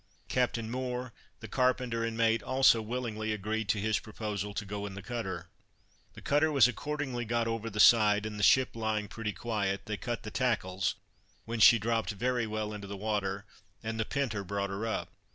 Captain Moore, the carpenter and mate, also willingly agreed to his proposal to go in the cutter. The cutter was accordingly got over the side, and the ship lying pretty quiet, they cut the tackles, when she dropt very well into the water, and the penter brought her up.